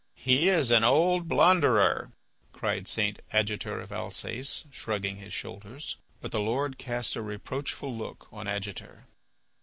"He is an old blunderer," cried St. Adjutor of Alsace, shrugging his shoulders. But the Lord cast a reproachful look on Adjutor.